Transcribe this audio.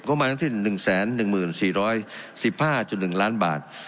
ก็มาทั้งสิ้น๑๑๔๑๕๑ล้านบาท